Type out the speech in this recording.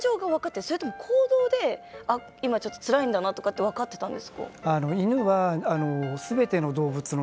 それとも行動で今ちょっとつらいんだなとかって分かってたんですか？